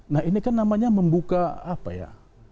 nah ini kan namanya membuka apa ya